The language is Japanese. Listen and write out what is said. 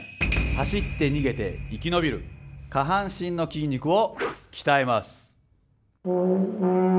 走って逃げて生き延びる下半身の筋肉を鍛えます。